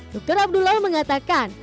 dokter abdullah mengatakan